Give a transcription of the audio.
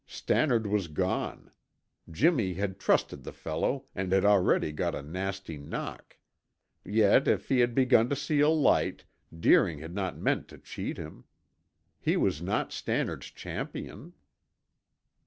Stannard was gone. Jimmy had trusted the fellow and had already got a nasty knock. Yet if he had begun to see a light, Deering did not mean to cheat him. He was not Stannard's champion.